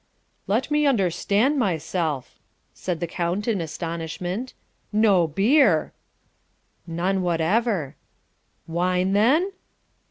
"Let me understand myself," said the count in astonishment. "No beer!" "None whatever." "Wine, then?"